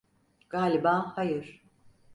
Galiba hayır.